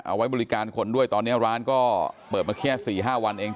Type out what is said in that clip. เอาไว้บริการคนด้วยตอนนี้ร้านก็เปิดมาแค่๔๕วันเอง